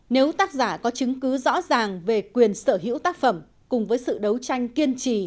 nếu tác giả có chứng cứ rõ ràng về quyền sở hữu tác phẩm cùng với sự đấu tranh kiên trì